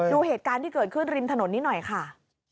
ดูเหตุการณ์ที่เกิดขึ้นริมถนนนี้หน่อยค่ะ